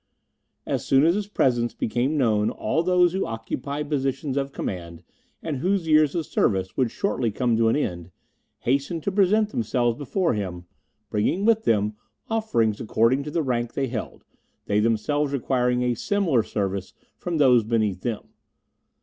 As soon as his presence became known all those who occupied positions of command, and whose years of service would shortly come to an end, hastened to present themselves before him, bringing with them offerings according to the rank they held, they themselves requiring a similar service from those beneath them.